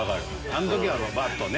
あの時はバーッとね。